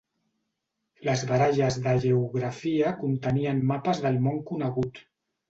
Les baralles de geografia contenien mapes del món conegut.